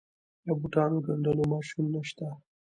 د بوټانو ګنډلو ماشینونه شته